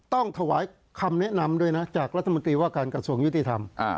ต้องถวายคำแนะนำด้วยนะจากรัฐมนตรีว่าการกระทรวงยุติธรรม